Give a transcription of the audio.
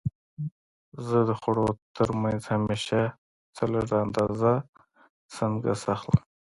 زه د خوړو ترمنځ همیشه څه لږه اندازه سنکس اخلم.